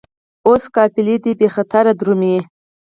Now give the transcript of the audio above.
اوس قافلې دي بې خطره درومي